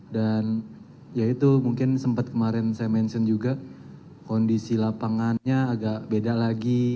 dan ya itu mungkin sempat kemarin saya mention juga kondisi lapangannya agak beda lagi